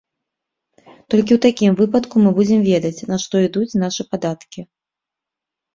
Толькі ў такім выпадку мы будзем ведаць, на што ідуць нашы падаткі.